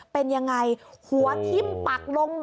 เป็นยังไงหัวทิ้มปักลง